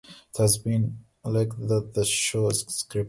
It has been alleged that the show is scripted.